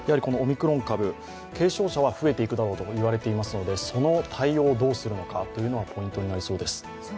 オミクロン株、軽症者は増えていくだろうと言われていますので、その対応をどうするのかというのがポイントになりそうです。